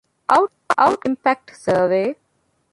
އައުޓްކަމް އިމްޕެކްޓް ސަރވޭ